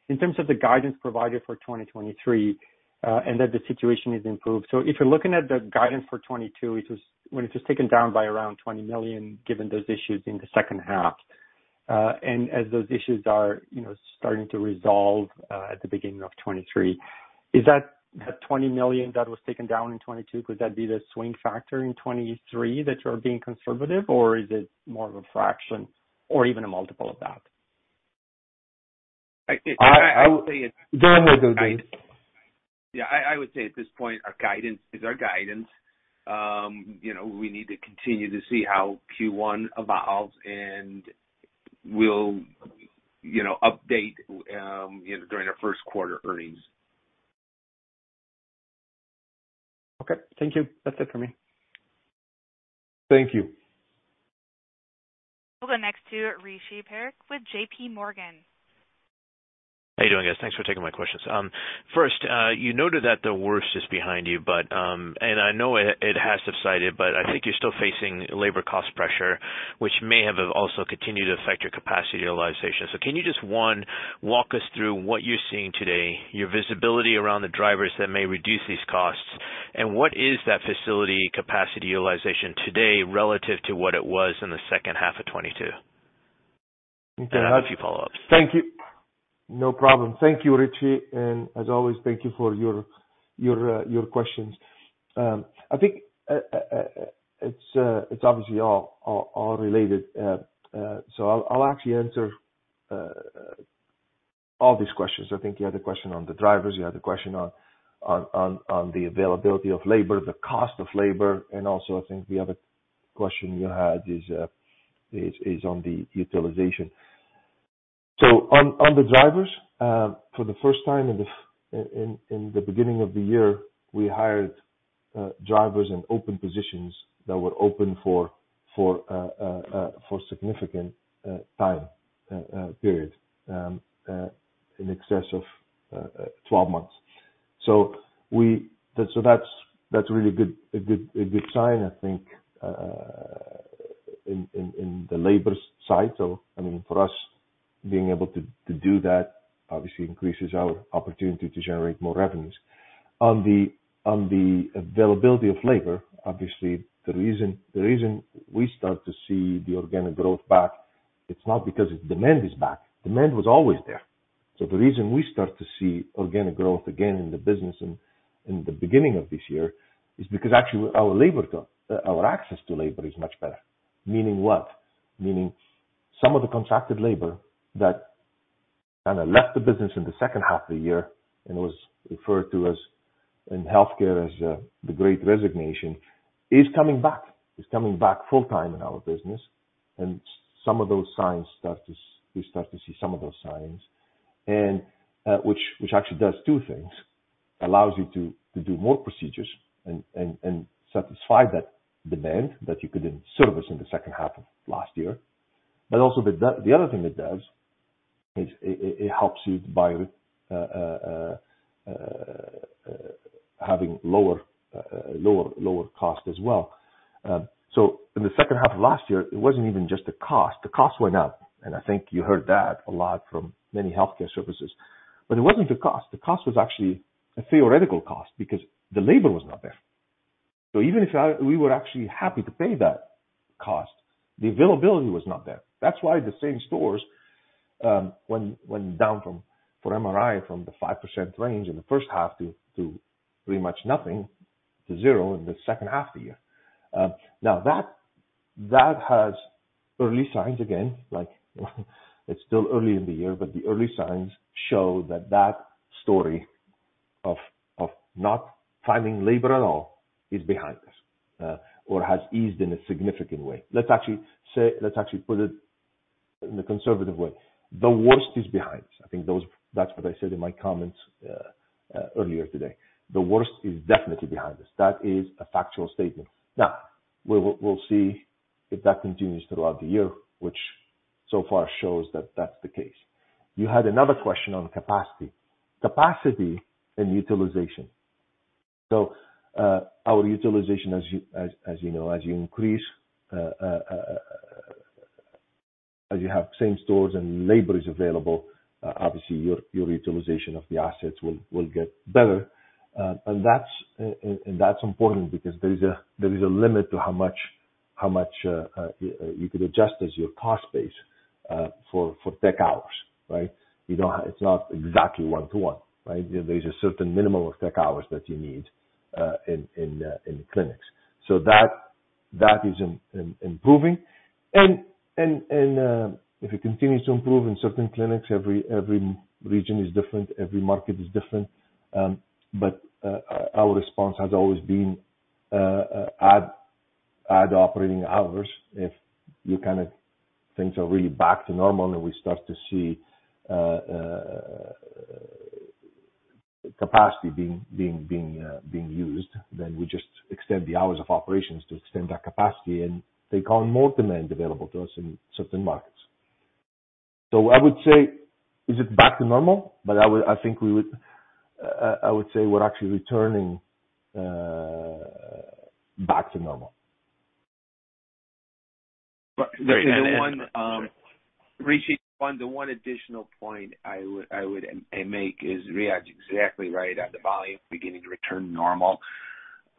In terms of the guidance provided for 2023, and that the situation is improved. If you're looking at the guidance for 2022, when it was taken down by around $20 million, given those issues in the second half, and as those issues are starting to resolve, at the beginning of 2023, is that $20 million that was taken down in 2022, could that be the swing factor in 2023, that you're being conservative? Is it more of a fraction or even a multiple of that? I would say- Go ahead, David. Yeah. I would say at this point, our guidance is our guidance. You know, we need to continue to see how Q1 evolves. we'll update during our first quarter earnings. Okay. Thank you. That's it for me. Thank you. We'll go next to Rishi Parekh with JPMorgan. How you doing, guys? Thanks for taking my questions. First, you noted that the worst is behind you, but, and I know it has subsided, but I think you're still facing labor cost pressure, which may have also continued to affect your capacity utilization. Can you just, one, walk us through what you're seeing today, your visibility around the drivers that may reduce these costs, and what is that facility capacity utilization today relative to what it was in the second half of 2022? I have a few follow-ups. Thank you. No problem. Thank you, Rishi. As always, thank you for your questions. I think it's obviously all related. I'll actually answer all these questions. I think you had a question on the drivers, you had a question on the availability of labor, the cost of labor, and also I think the other question you had is on the utilization. On the drivers, for the first time in the beginning of the year, we hired drivers in open positions that were open for significant time period in excess of 12 months. So we... That's really good, a good sign, I think, in the labor side. I mean, for us, being able to do that obviously increases our opportunity to generate more revenues. On the availability of labor, obviously, the reason we start to see the organic growth back, it's not because demand is back. Demand was always there. The reason we start to see organic growth again in the business in the beginning of this year is because actually our access to labor is much better. Meaning what? Meaning some of the contracted labor that kind of left the business in the second half of the year and was referred to as in healthcare as the Great Resignation, is coming back. It's coming back full time in our business. some of those signs we start to see some of those signs. which actually does two things. Allows you to do more procedures and satisfy that demand that you couldn't service in the second half of last year. also, the other thing it does is it helps you by having lower cost as well. in the second half of last year, it wasn't even just the cost. The cost went up, and I think you heard that a lot from many healthcare services. it wasn't the cost. The cost was actually a theoretical cost because the labor was not there. even if we were actually happy to pay that cost, the availability was not there. That's why the same stores, went down from, for MRI from the 5% range in the first half to pretty much nothing to 0 in the second half of the year. Now that has early signs again, like it's still early in the year, but the early signs show that that story of not finding labor at all is behind us, or has eased in a significant way. Let's actually put it in a conservative way. The worst is behind us. I think that's what I said in my comments, earlier today. The worst is definitely behind us. That is a factual statement. Now, we'll see if that continues throughout the year, which so far shows that that's the case. You had another question on capacity. Capacity and utilization. Our utilization as you know, as you increase, as you have same stores and labor is available, obviously your utilization of the assets will get better. That's important because there is a limit to how much you could adjust as your cost base for tech hours, right? You know, it's not exactly one to one, right? There's a certain minimum of tech hours that you need in clinics. That is improving. If it continues to improve in certain clinics, every region is different, every market is different. Our response has always been add operating hours. If you kind of things are really back to normal and we start to see, capacity being used, then we just extend the hours of operations to extend that capacity and take on more demand available to us in certain markets. I would say, is it back to normal? I think we would, I would say we're actually returning back to normal. Great. The one, Rishi, the one additional point I would make is Riadh's exactly right that the volume is beginning to return normal.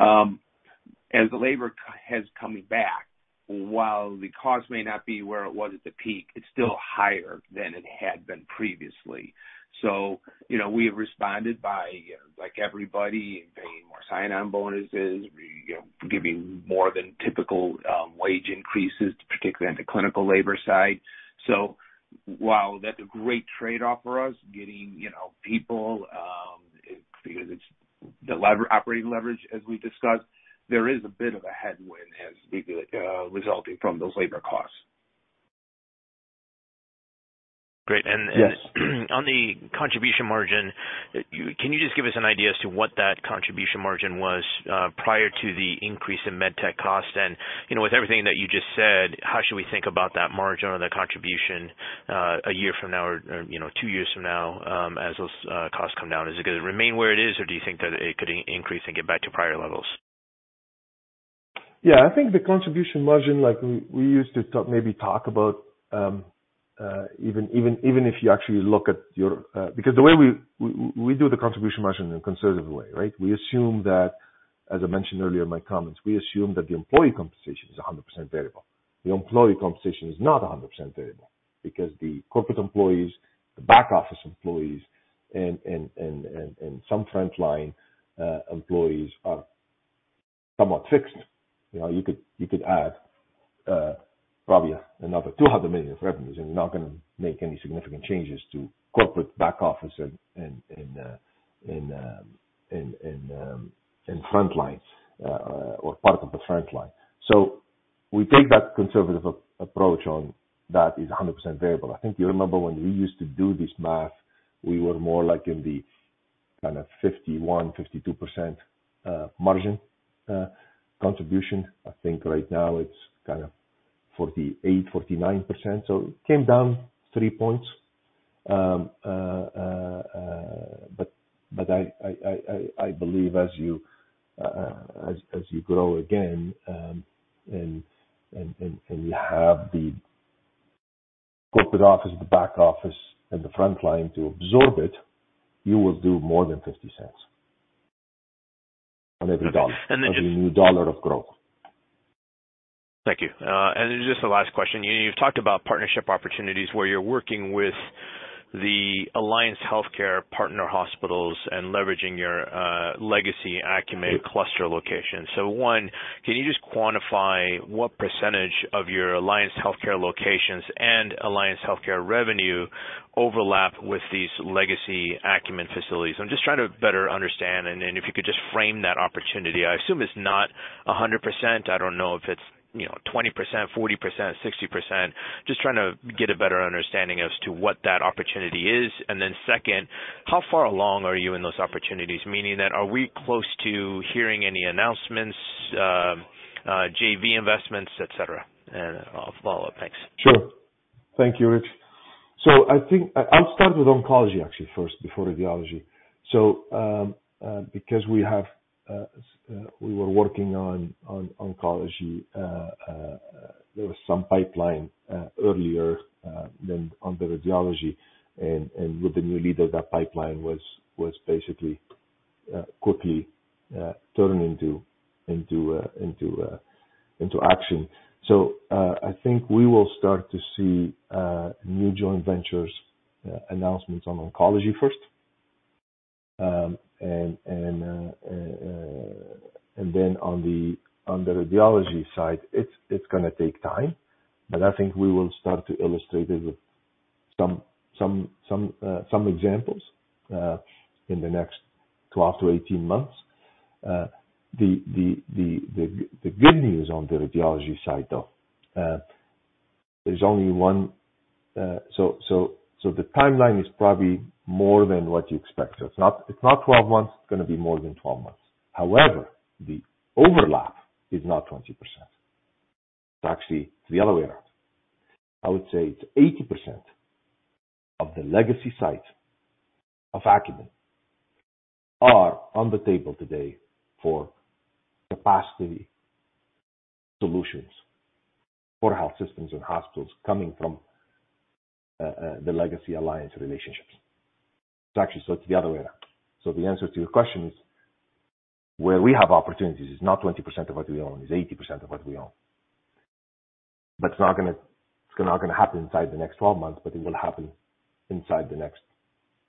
As labor has coming back, while the cost may not be where it was at the peak, it's still higher than it had been previously. You know, we have responded by, like everybody, paying more sign-on bonuses giving more than typical wage increases, particularly on the clinical labor side. While that's a great trade-off for us, getting people, because it's operating leverage, as we discussed, there is a bit of a headwind as the resulting from those labor costs. Great. Yes. On the contribution margin, can you just give us an idea as to what that contribution margin was prior to the increase in med tech costs? You know, with everything that you just said, how should we think about that margin or the contribution a year from now or 2 years from now, as those costs come down? Is it gonna remain where it is or do you think that it could increase and get back to prior levels? I think the contribution margin, like we used to talk, maybe talk about, even if you actually look at your... Because the way we do the contribution margin in a conservative way, right? We assume that, as I mentioned earlier in my comments, we assume that the employee compensation is 100% variable. The employee compensation is not 100% variable because the corporate employees, the back office employees and some frontline employees are somewhat fixed. You know, you could add probably another $200 million of revenues, and you're not gonna make any significant changes to corporate back office and front lines, or part of the front line. We take that conservative approach on that is 100% variable. I think you remember when we used to do this math, we were more like in the kind of 51%, 52% margin contribution. I think right now it's kind of 48%, 49%, so it came down 3 points. I believe as you grow again, and you have the corporate office, the back office and the front line to absorb it, you will do more than $0.50 on every dollar. And then just- Every new dollar of growth. Thank you. Just the last question. You've talked about partnership opportunities where you're working with the Alliance HealthCare partner hospitals and leveraging your legacy Akumin cluster locations. One, can you just quantify what percentage of your Alliance HealthCare locations and Alliance HealthCare revenue overlap with these legacy Akumin facilities? I'm just trying to better understand then if you could just frame that opportunity. I assume it's not 100%. I don't know if it's 20%, 40%, 60%. Just trying to get a better understanding as to what that opportunity is. Then second, how far along are you in those opportunities? Meaning that are we close to hearing any announcements, JV investments, et cetera? I'll follow up. Thanks. Sure. Thank you, Rishi. I think I'll start with oncology actually first before radiology. Because we have, we were working on oncology, there was some pipeline earlier than on the radiology. With the new leader that pipeline was basically quickly turned into action. I think we will start to see new joint ventures announcements on oncology first. Then on the radiology side, it's gonna take time, but I think we will start to illustrate some examples in the next 12 to 18 months. The good news on the radiology side, though, there's only one... the timeline is probably more than what you expect. It's not, it's not 12 months. It's gonna be more than 12 months. The overlap is not 20%. Actually, it's the other way around. I would say it's 80% of the legacy sites of Akumin are on the table today for capacity solutions for health systems and hospitals coming from the legacy alliance relationships. Actually, it's the other way around. The answer to your question is, where we have opportunities is not 20% of what we own, it's 80% of what we own. It's not gonna happen inside the next 12 months, but it will happen inside the next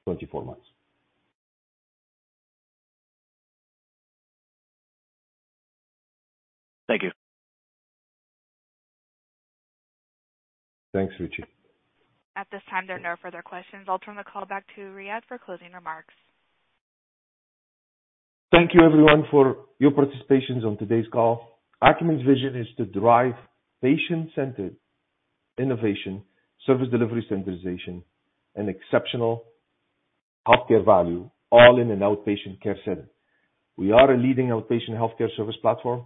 24 months. Thank you. Thanks, Rishi. At this time, there are no further questions. I'll turn the call back to Riadh for closing remarks. Thank you everyone for your participation on today's call. Akumin's vision is to drive patient-centered innovation, service delivery standardization, and exceptional healthcare value, all in an outpatient care setting. We are a leading outpatient healthcare service platform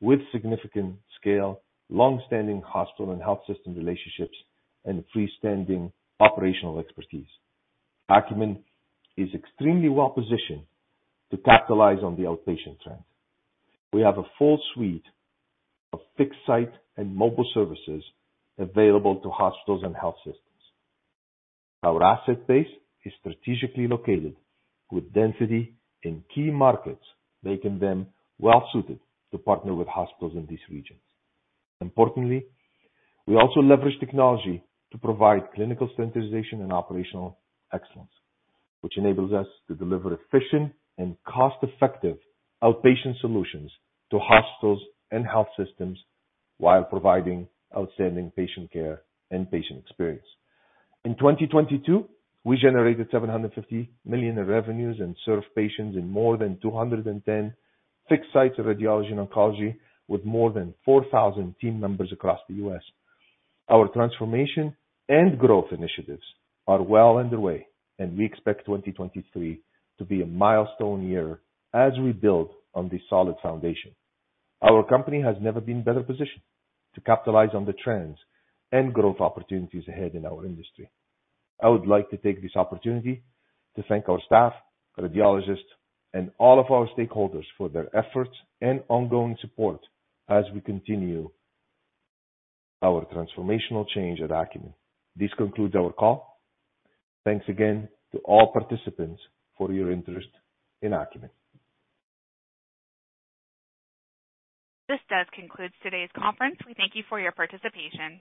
with significant scale, longstanding hospital and health system relationships, and freestanding operational expertise. Akumin is extremely well-positioned to capitalize on the outpatient trend. We have a full suite of fixed-site and mobile services available to hospitals and health systems. Our asset base is strategically located with density in key markets, making them well-suited to partner with hospitals in these regions. Importantly, we also leverage technology to provide clinical standardization and operational excellence, which enables us to deliver efficient and cost-effective outpatient solutions to hospitals and health systems while providing outstanding patient care and patient experience. In 2022, we generated $750 million in revenues and served patients in more than 210 fixed sites of radiology and oncology, with more than 4,000 team members across the U.S. Our transformation and growth initiatives are well underway, and we expect 2023 to be a milestone year as we build on this solid foundation. Our company has never been better positioned to capitalize on the trends and growth opportunities ahead in our industry. I would like to take this opportunity to thank our staff, radiologists, and all of our stakeholders for their efforts and ongoing support as we continue our transformational change at Akumin. This concludes our call. Thanks again to all participants for your interest in Akumin. This does conclude today's conference. We thank you for your participation.